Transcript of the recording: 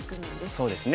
そうですね。